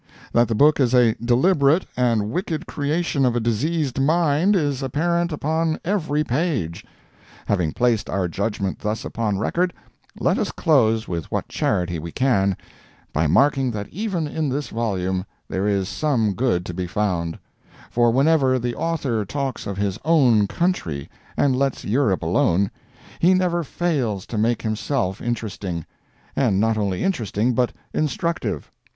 That the book is a deliberate and wicked creation of a diseased mind, is apparent upon every page. Having placed our judgment thus upon record, let us close with what charity we can, by marking that even in this volume there is some good to be found; for whenever the author talks of his own country and lets Europe alone, he never fails to make himself interesting, and not only interesting, but instructive.